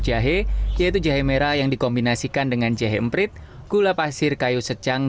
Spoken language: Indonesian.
jahe yaitu jahe merah yang dikombinasikan dengan jahe emprit gula pasir kayu secang